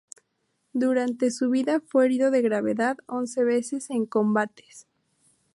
Durante su vida fue herido de gravedad once veces en combates.